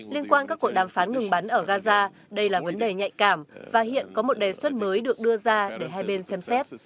liên quan các cuộc đàm phán ngừng bắn ở gaza đây là vấn đề nhạy cảm và hiện có một đề xuất mới được đưa ra để hai bên xem xét